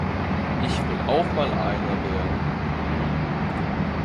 Ich will auch mal einer werden.